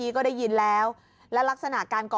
เห็นแล้วและลักษณะการก่อ